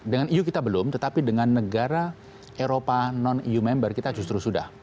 dengan eu kita belum tetapi dengan negara eropa non eu member kita justru sudah